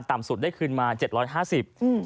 ต่ำสุดได้คืนมา๗๕๐บาท